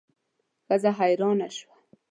ښځه حیرانه شوه.